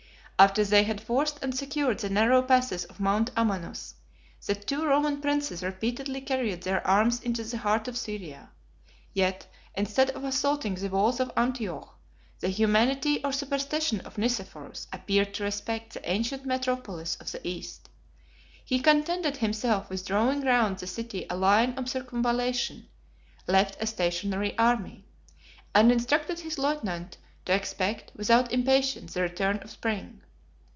After they had forced and secured the narrow passes of Mount Amanus, the two Roman princes repeatedly carried their arms into the heart of Syria. Yet, instead of assaulting the walls of Antioch, the humanity or superstition of Nicephorus appeared to respect the ancient metropolis of the East: he contented himself with drawing round the city a line of circumvallation; left a stationary army; and instructed his lieutenant to expect, without impatience, the return of spring.